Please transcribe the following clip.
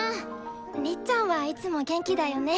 りっちゃんはいつも元気だよね。